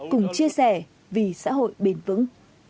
cùng chia sẻ vì xã hội bền vững